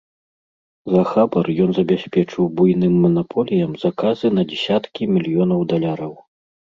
За хабар ён забяспечыў буйным манаполіям заказы на дзесяткі мільёнаў даляраў.